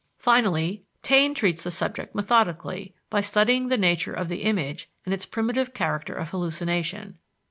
Finally, Taine treats the subject methodically, by studying the nature of the image and its primitive character of hallucination.